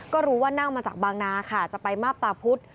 ก็รู้ว่านั่งมาจากบางนาค่ะจะไปมาบตาพุธ